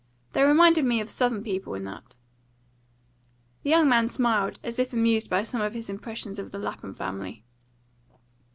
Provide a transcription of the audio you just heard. They reminded me of Southern people in that." The young man smiled, as if amused by some of his impressions of the Lapham family.